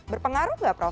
berpengaruh nggak prof